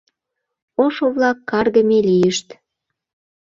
— Ошо-влак каргыме лийышт!..